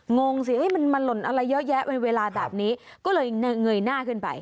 งงสิมันมาหล่นอะไรเยอะแยะในเวลาแบบนี้ก็เลยเงยหน้าขึ้นไป